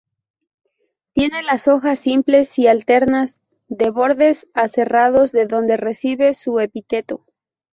Tiene las hojas simples y alternas, de bordes aserrados de donde recibe su epíteto.